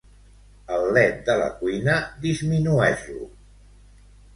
El led de la cuina disminueix-lo.